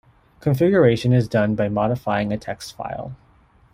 Configuration is done by modifying a text file.